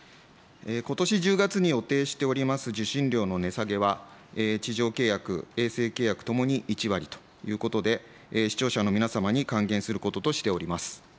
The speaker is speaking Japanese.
ことし１０月に予定しております受信料の値下げは、地上契約、衛星契約ともに１割ということで、視聴者の皆様に還元することとしております。